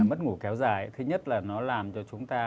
mất ngủ kéo dài thứ nhất là nó làm cho chúng ta